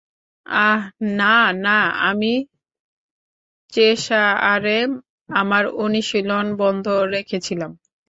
আহ, না, না আমি চেশায়ারে আমার অনুশীলন বন্ধ রেখেছিলাম।